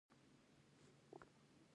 ازادي راډیو د کډوال د تحول لړۍ تعقیب کړې.